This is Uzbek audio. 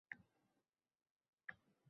Allaqaysi ma’voda